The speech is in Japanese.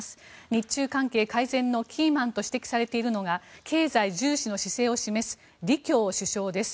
日中関係改善のキーマンと指摘されているのが経済重視の姿勢を示す李強首相です。